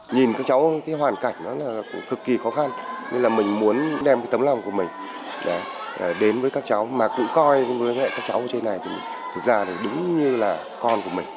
nhìn các cháu cái hoàn cảnh đó là cũng cực kỳ khó khăn nên là mình muốn đem cái tấm lòng của mình đến với các cháu mà cũng coi các cháu ở trên này thì thực ra thì đúng như là con của mình